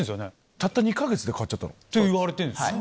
たった２か月で変わっちゃった？っていわれてるんですよね。